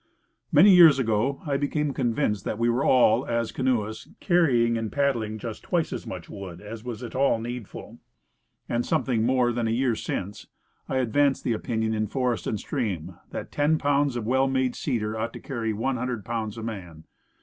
Many years ago, I became convinced that we were all, as canoeists, carrying and paddling just twice as much wood as was at all needful, and something more than a year since, I advanced the opinion in Forest and Stream, that ten pounds of well made cedar ought to carry one hundred pounds of man.